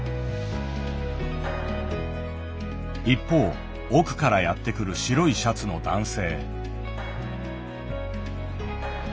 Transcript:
一方奥からやって来る白いシャツの男性。